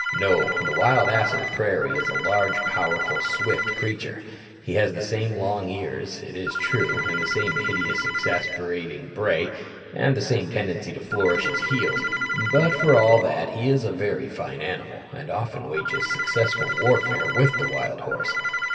No, the wild ass of the prairie is a large powerful, swift creature. He has the same long ears, it is true, and the same hideous, exasperating bray, and the same tendency to flourish his heels; but for all that he is a very fine animal, and often wages successful warfare with the wild horse.